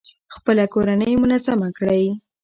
خپله کورنۍ منظمه کړئ.